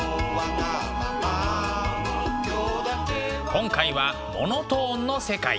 今回は「モノトーンの世界」。